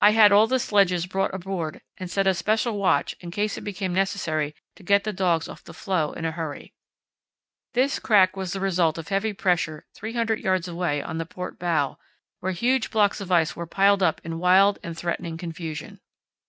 I had all the sledges brought aboard and set a special watch in case it became necessary to get the dogs off the floe in a hurry. This crack was the result of heavy pressure 300 yds. away on the port bow, where huge blocks of ice were piled up in wild and threatening confusion.